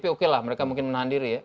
pdp okelah mereka mungkin menahan diri ya